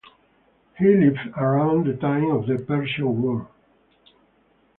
He lived around the time of the Persian War.